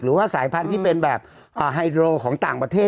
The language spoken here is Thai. หรือว่าสายพันธุ์ที่เป็นแบบไฮโดรของต่างประเทศ